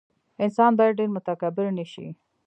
انسان باید ډېر متکبر نه شي.